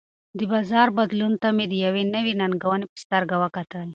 د بازار بدلون ته مې د یوې نوې ننګونې په سترګه وکتل.